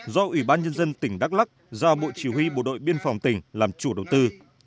do ủy ban nhân dân tỉnh đắk lắc giao bộ chỉ huy bộ đội biên phòng tỉnh làm chủ đầu tư